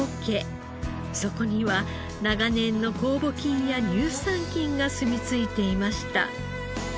そこには長年の酵母菌や乳酸菌がすみ着いていました。